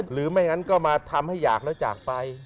หรือไม่งั้นก็มาทำให้อยากแล้วจากไป